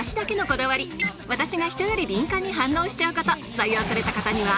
採用された方には